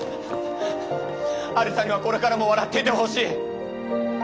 有沙にはこれからも笑っていてほしい。